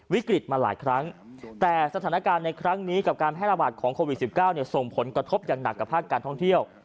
วิกฤตมาหลายครั้งแต่สถานการณ์ในครั้งนี้กับการแพร่ระบาดของโควิด๑๙ส่งผลกระทบอย่างหนักกับภาคการท่องเที่ยว